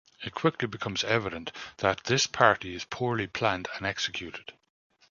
It quickly becomes evident that this party is poorly planned and executed.